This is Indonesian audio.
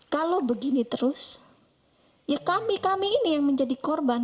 kalau begini terus ya kami kami ini yang menjadi korban